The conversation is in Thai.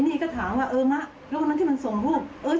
นี่ก็ถามว่าเออมะแล้ววันนั้นที่มันส่งรูป